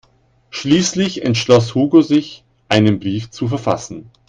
Schließlich entschloss Hugo sich, einen Brief zu verfassen.